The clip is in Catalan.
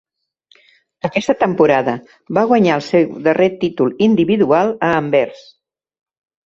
Aquesta temporada va guanyar el seu darrer títol individual a Anvers.